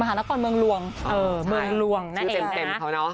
มหานครเมืองหลวงใช่ค่ะชื่อเต็มเขาเนอะ